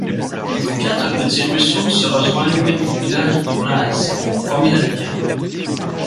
Quatre petits ruisseaux se rejoignent au village de Vlase pour former la rivière.